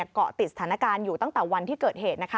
เกาะติดสถานการณ์อยู่ตั้งแต่วันที่เกิดเหตุ